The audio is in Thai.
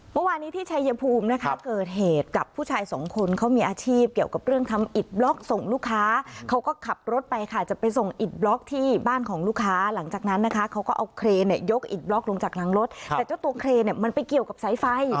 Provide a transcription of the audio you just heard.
เมื่อวานนี้ที่ชัยภูมินะคะเกิดเหตุกับผู้ชายสองคนเขามีอาชีพเกี่ยวกับเรื่องทำอิดบล็อกส่งลูกค้าเขาก็ขับรถไปค่ะจะไปส่งอิดบล็อกที่บ้านของลูกค้าหลังจากนั้นนะคะเขาก็เอาเครนเนี่ยยกอิดบล็อกลงจากหลังรถแต่เจ้าตัวเครนเนี่ยมันไปเกี่ยวกับสายไฟ